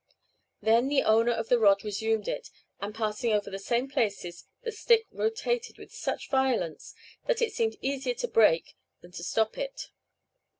Then the owner of the rod resumed it, and, passing over the same places, the stick rotated with such violence that it seemed easier to break than to stop it.